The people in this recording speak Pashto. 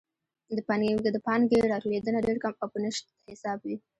د پانګې راټولیدنه ډېر کم او په نشت حساب وي.